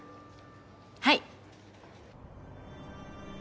はい。